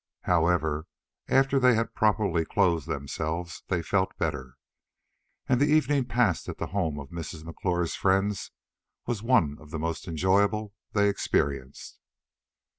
However, after they had properly clothed themselves they felt better, and the evening passed at the home of Mrs. McClure's friends was one of the most enjoyable they experienced.